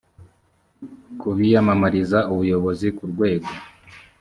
ku biyamamariza ubuyobozi ku rwego